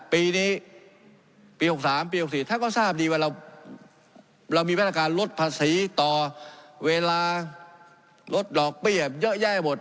ปีนี้ปี๖๓ปี๖๔ท่านก็ทราบดีว่าเราเรามีแวดการณ์ลดภาษีต่อเวลารถดอกเปรี้ยมเยอะแย่หมด